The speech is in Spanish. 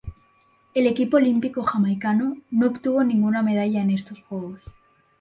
El equipo olímpico jamaicano no obtuvo ninguna medalla en estos Juegos.